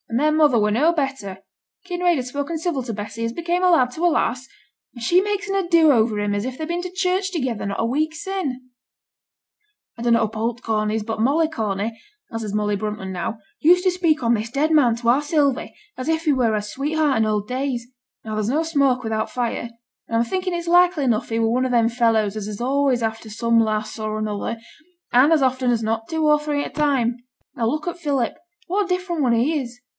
An' their mother were no better: Kinraid has spoken civil to Bessy as became a lad to a lass, and she makes an ado over him as if they'd been to church together not a week sin'.' 'I dunnot uphold t' Corneys; but Molly Corney as is Molly Brunton now used to speak on this dead man to our Sylvie as if he were her sweetheart in old days. Now there's no smoke without fire, and I'm thinking it's likely enough he were one of them fellows as is always after some lass or another, and, as often as not, two or three at a time. Now look at Philip, what a different one he is!